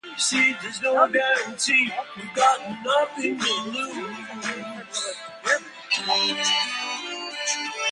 Danzig Platt deviated significantly from North German Platt.